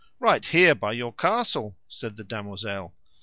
Right here by your castle, said the damosel.